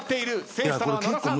制したのは野田さん。